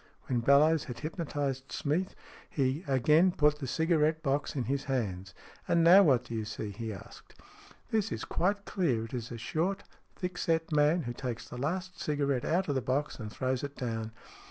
When Bellowes had hypnotized Smeath, he again put the cigarette box in his hands. " And now what do you see ?" he asked. " This is quite clear. It is a short, thick set man who takes the last cigarette out of the box and throws it down.